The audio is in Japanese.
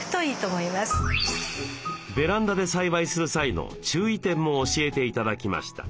ベランダで栽培する際の注意点も教えて頂きました。